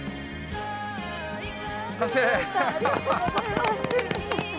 ありがとうございます！